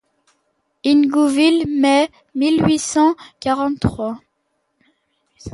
Ingouville, mai mille huit cent quarante-trois.